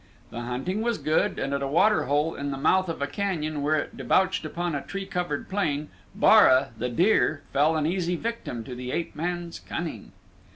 The hunting was good and at a water hole in the mouth of a canyon where it debouched upon a tree covered plain Bara, the deer, fell an easy victim to the ape man's cunning.